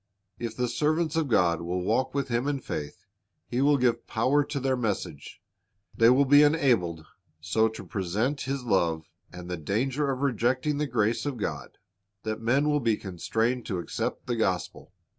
"^ If the servants of God will walk with Him in faith, He will give power to their message. They will be enabled so to present His love and the danger of rejecting the grace of God, that men will be constrained to accept the gospel.